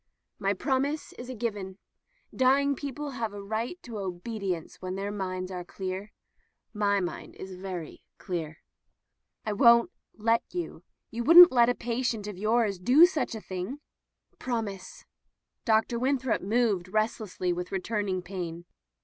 "My promise is given. Dying people have a right to obedience when their minds are clear. Mine is very clear." "I won't let you. You wouldn't let a pa tient of yours do such a thing." "Promise." Dr. Winthrop moved rest lessly with returning pain.